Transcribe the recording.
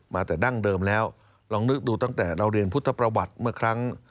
มาแต่ดั้งเดิมแล้วลองนึกดูตั้งแต่เราเรียนพุทธประวัติเมื่อครั้ง